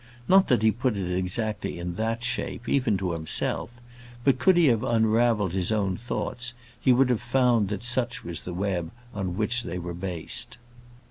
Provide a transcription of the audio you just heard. Not that he put it exactly in that shape, even to himself; but could he have unravelled his own thoughts, he would have found that such was the web on which they were based.